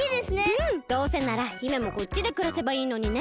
うんどうせなら姫もこっちでくらせばいいのにね。